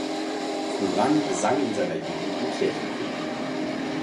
Curran sang in seiner Jugend im Kirchenchor.